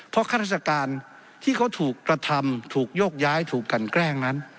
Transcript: เพราะข้าราชการที่เขาถูกกระทำถูกโยกย้ายถูกกันแกล้งนั้น